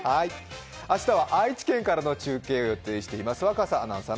明日は愛知県からの中継をお伝えします。